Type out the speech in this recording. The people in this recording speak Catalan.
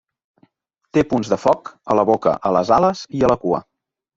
Té punts de foc a la boca, a les ales i a la cua.